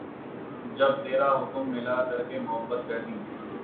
جب ترا حکم ملا ترک محبت کر دی